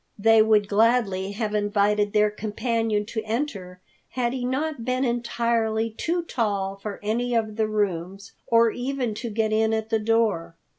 They would gladly have invited their companion to enter, had he not been entirely too tall for any of the rooms, or even to get in at the door.